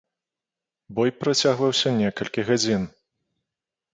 Бой працягваўся некалькі гадзін.